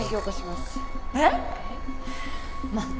えっ！？